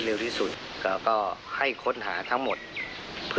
เหลือไว้แต่คุณอำคาวน้ำความเด็ก